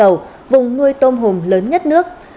đây là vùng nuôi tôm hùm lớn nhất nước